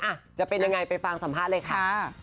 จะเป็นยังไงไปฟังสัมภาษณ์เลยค่ะ